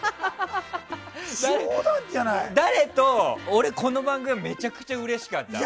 俺、この番組めちゃくちゃうれしかった。